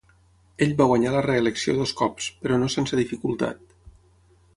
Ell va guanyar la reelecció dos cops, però no sense dificultat.